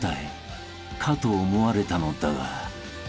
［かと思われたのだが］